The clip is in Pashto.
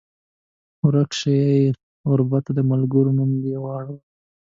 ورک شې ای غربته د ملکونو نه دې واړول